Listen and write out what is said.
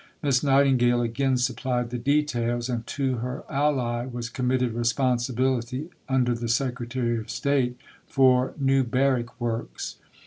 Miss Nightingale again supplied the details, and to her ally was committed responsibility (under the Secretary of State) for new barrack works.